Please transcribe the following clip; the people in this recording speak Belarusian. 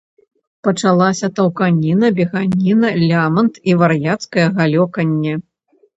Пачалася таўканіна, беганіна, лямант і вар'яцкае галёканне.